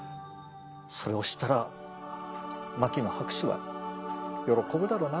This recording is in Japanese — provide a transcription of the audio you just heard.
それを知ったら牧野博士は喜ぶだろうな。